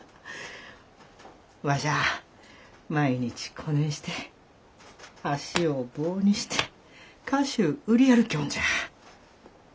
わしゃあ毎日こねんして足を棒にして菓子ゅう売り歩きょうるんじゃ」。